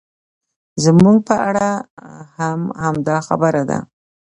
زموږ په اړه هم همدا خبره ده.